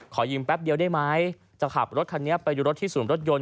ยืมแป๊บเดียวได้ไหมจะขับรถคันนี้ไปดูรถที่ศูนย์รถยนต